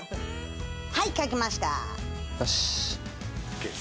はい、描けました。